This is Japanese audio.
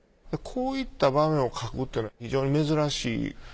こういった場面を描くというのは非常に珍しい。